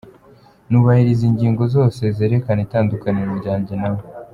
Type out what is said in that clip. Nubahiriza ingingo zose zerekana itandukaniro ryanjye nawe.